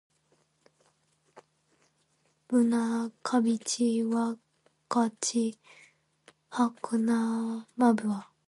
Vuna kabichi wakati hakuna mvua.